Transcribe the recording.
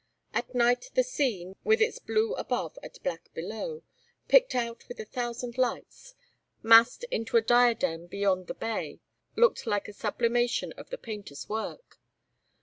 At night the scene, with its blue above and black below, picked out with a thousand lights massed into a diadem beyond the bay looked like a sublimation of the painter's work.